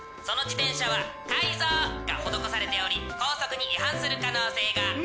その自転車は改造が施されており校則に違反する可能性が。